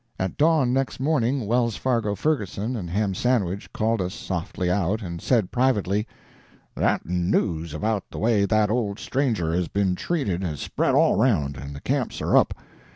At dawn next morning Wells Fargo Ferguson and Ham Sandwich called us softly out, and said, privately, "That news about the way that old stranger has been treated has spread all around, and the camps are up.